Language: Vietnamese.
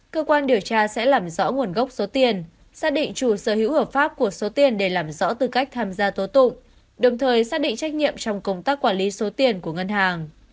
cơ quan điều tra sẽ làm rõ nguồn gốc số tiền xác định chủ sở hữu hợp pháp của số tiền để làm rõ tư cách tham gia tố tụng đồng thời xác định trách nhiệm trong công tác quản lý số tiền của ngân hàng